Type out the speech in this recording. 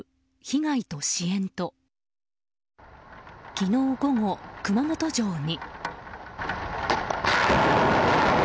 昨日午後、熊本城に。